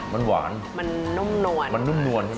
มันหวานมันนุ่มนวลมันนุ่มนวลใช่ไหม